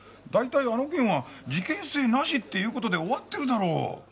大体あの件は事件性なしっていう事で終わってるだろ。